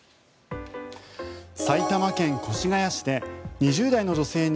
埼玉県越谷市で２０代の女性に